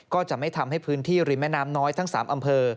ก็จะไม่ทำให้พื้นที่ริมแม่น้ำน้อยทั้ง๓อำเภอ